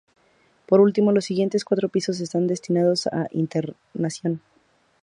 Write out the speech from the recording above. Por último, los siguientes cuatro pisos están destinados a internación.